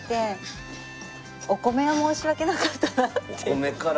お米から。